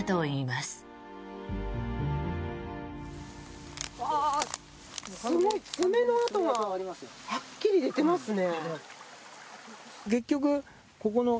すごい、爪の跡がはっきり出ていますね。